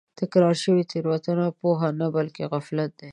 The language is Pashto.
تکرار شوې تېروتنه پوهه نه بلکې غفلت دی.